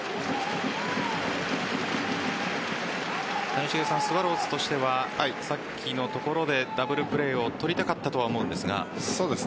谷繁さん、スワローズとしてはさっきのところでダブルプレーを取りたかったとは思うんですが。